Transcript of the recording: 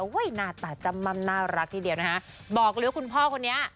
หน้าตาจ้ำม่ำน่ารักทีเดียวนะคะบอกเลยว่าคุณพ่อคนนี้